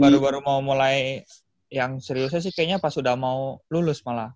baru baru mau mulai yang seriusnya sih kayaknya pas udah mau lulus malah